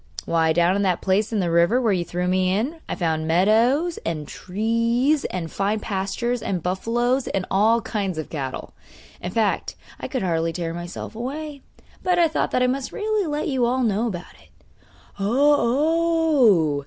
Why, down in that place in the river where you threw me in I found meadows, and trees, and fine pastures, and buffaloes, and all kinds of cattle. In fact, I could hardly tear myself away; but I thought that I must really let you all know about it.' 'Oh, oh!